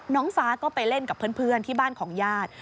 ฟ้าก็ไปเล่นกับเพื่อนที่บ้านของญาติ